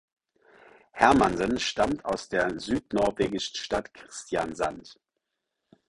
Hermansen stammt aus der südnorwegischen Stadt Kristiansand.